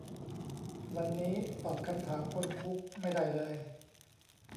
วันนี้ตอบคำถามคนคุกไม่ได้เลย